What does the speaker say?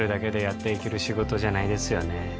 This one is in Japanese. やっていける仕事じゃないですよね